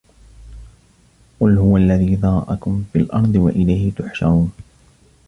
قُل هُوَ الَّذي ذَرَأَكُم فِي الأَرضِ وَإِلَيهِ تُحشَرونَ